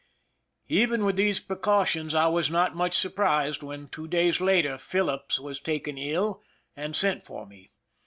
Even with these precautions, I was not much surprised when, two days later, Phillips was taken ill and sent for me.